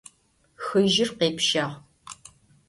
Хыжьыр къепщагъ.